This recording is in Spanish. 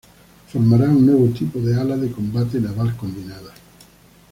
Formará un nuevo tipo de ala de combate naval combinada.